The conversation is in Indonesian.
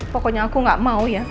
pokoknya aku gak mau ya